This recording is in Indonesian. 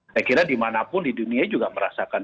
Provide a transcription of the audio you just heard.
saya kira dimanapun di dunia juga merasakan